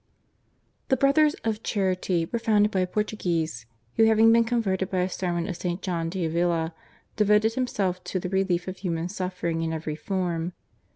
The Brothers of Charity were founded by a Portuguese, who having been converted by a sermon of St. John d'Avila, devoted himself to the relief of human suffering in every form.